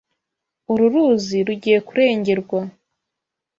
Uru ruzi rugiye kurengerwa.